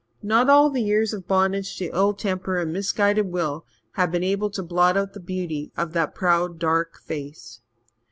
Not all the years of bondage to ill temper and misguided will had been able to blot out the beauty of that proud, dark face.